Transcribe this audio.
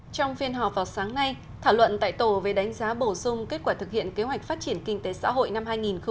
trong phiên họp vào sáng nay thảo luận tại tổ về đánh giá bổ sung kết quả thực hiện kế hoạch phát triển kinh tế xã hội năm hai nghìn một mươi chín